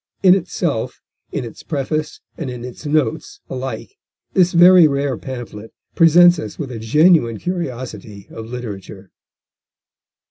In itself, in its preface, and in its notes alike this very rare pamphlet presents us with a genuine curiosity of literature.